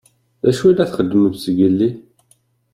D acu i la txeddmemt seg zgelli?